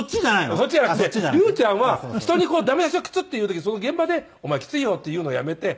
そっちじゃなくて竜ちゃんは人に駄目出しをキチッて言う時にその現場で「お前きついよ」って言うのをやめて。